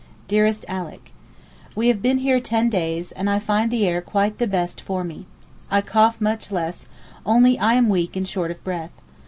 DEAREST ALICK, We have been here ten days, and I find the air quite the best for me. I cough much less, only I am weak and short of breath.